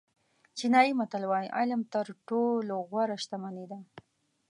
چینایي متل وایي علم تر ټولو غوره شتمني ده.